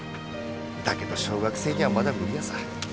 だけど小学生にはまだ無理ヤサ。